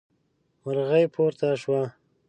مرغۍ پورته شوه.